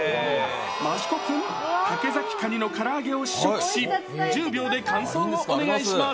益子君、竹崎カニを試食し、１０秒で感想をお願いします。